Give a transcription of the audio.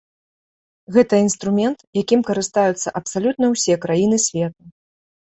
Гэта інструмент, якім карыстаюцца абсалютна ўсе краіны свету.